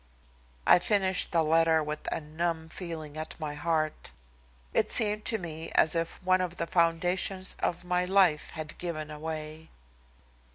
I finished the letter with a numb feeling at my heart. It seemed to me as if one of the foundations of my life had given away.